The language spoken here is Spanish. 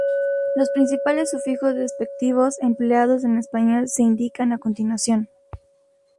Los principales sufijos despectivos empleados en español se indican a continuación.